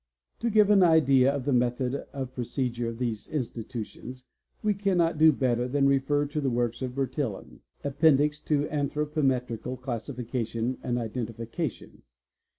To give an idea of the method of procedure of these institutions we cannot do better than refer to the work of Bertillon, " Appendix to ' Anthropometrical Classification and Identification."